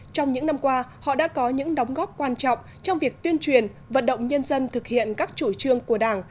trong những năm qua họ đã có những đóng góp quan trọng trong việc tuyên truyền vận động nhân dân thực hiện các chủ trương của đảng